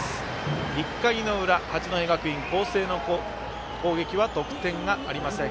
１回の裏、八戸学院光星の攻撃は得点がありません。